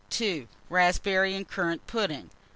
Raspberry and currant pudding.